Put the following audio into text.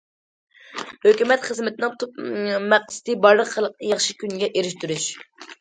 ھۆكۈمەت خىزمىتىنىڭ تۈپ مەقسىتى بارلىق خەلقنى ياخشى كۈنگە ئېرىشتۈرۈش.